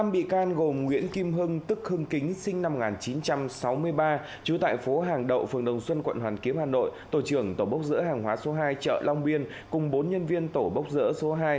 năm bị can gồm nguyễn kim hưng tức hưng kính sinh năm một nghìn chín trăm sáu mươi ba trú tại phố hàng đậu phường đồng xuân quận hoàn kiếm hà nội tổ trưởng tổ bốc dỡ hàng hóa số hai chợ long biên cùng bốn nhân viên tổ bốc dỡ số hai